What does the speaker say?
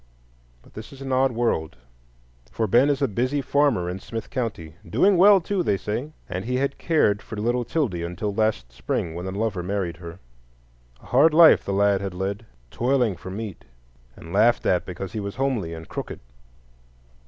But this is an odd world; for Ben is a busy farmer in Smith County, "doing well, too," they say, and he had cared for little 'Tildy until last spring, when a lover married her. A hard life the lad had led, toiling for meat, and laughed at because he was homely and crooked.